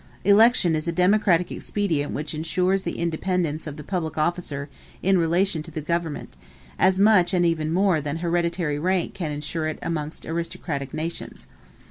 Election is a democratic expedient which insures the independence of the public officer in relation to the government, as much and even more than hereditary rank can insure it amongst aristocratic nations.